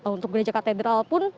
untuk gereja katedral pun